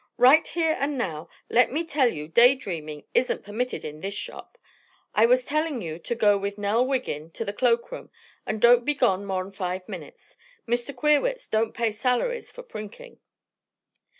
Right here and now, let me tell you day dreaming isn't permitted in this shop. I was telling you to go with Nell Wiggin to the cloakroom, and don't be gone more'n five minutes. Mr. Queerwitz don't pay salaries for prinking."